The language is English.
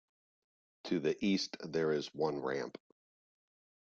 To the east there is one ramp.